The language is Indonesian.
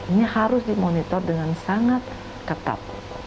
ini harus dimonitor dengan sangat ketat